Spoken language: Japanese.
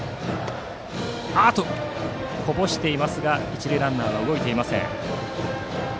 こぼしましたが一塁ランナーは動いていません。